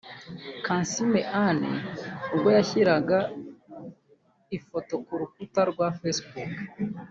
Kansiime Anne ubwo yashyiraga ifoto ku rukuta rwa Facebook